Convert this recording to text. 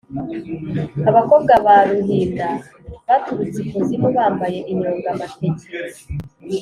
Abakobwa ba Ruhinda baturutse ikuzimu bambaye inyonga.-Amateke.